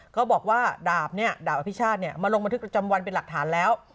เขาบอกว่าดาบเนี่ยดาบอภิชาติมาลงบันทึกประจำวันเป็นหลักฐานแล้ว